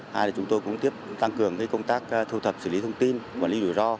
hai là chúng tôi cũng tiếp tăng cường công tác thu thập xử lý thông tin quản lý rủi ro